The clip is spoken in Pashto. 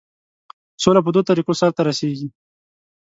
سوله په دوو طریقو سرته رسیږي.